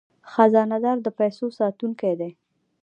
خزانه دار د پیسو ساتونکی دی